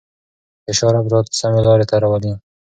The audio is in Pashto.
فشار افراد سمې لارې ته راولي.